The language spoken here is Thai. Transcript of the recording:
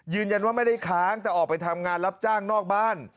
ยืนยันว่าไม่ได้ค้างแต่ออกไปทำงานรับจ้างนอกบ้าน